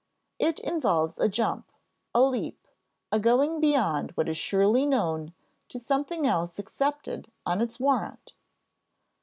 It involves a jump, a leap, a going beyond what is surely known to something else accepted on its warrant.